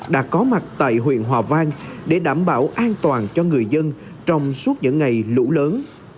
đã có mặt tại huyện hòa vang để đảm bảo an toàn cho người dân trong suốt những ngày lũ lớn